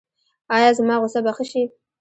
ایا زما غوسه به ښه شي؟